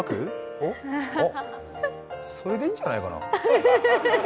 それでいいんじゃないかな。